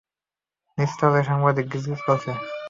নিচতলায় সাংবাদিক গিজগিজ করছে।